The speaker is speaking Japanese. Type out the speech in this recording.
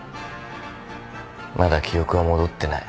まだ記憶は戻ってない。